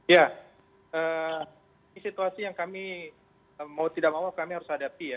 ya ini situasi yang kami mau tidak mau kami harus hadapi ya